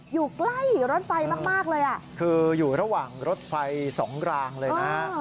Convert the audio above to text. อยู่ใกล้รถไฟมากเลยอ่ะคืออยู่ระหว่างรถไฟสองรางเลยนะฮะ